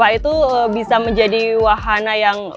itu bisa menjadi wahana yang